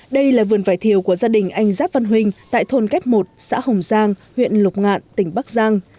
đây là vườn vải thiều của gia đình anh giáp văn huynh tại thôn kép một xã hồng giang huyện lục ngạn tỉnh bắc giang